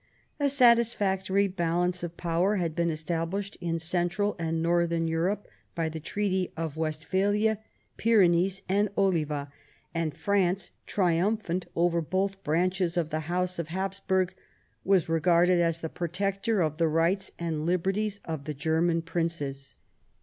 A satisfactory balance of power had been established in Central and Northern Europe by the Treaties of Westphalia, Pyrenees, and Oliva, and France, triumphant over both branches of the house of Hapsburg, was regarded as the protector of the rights and liberties of the German princes.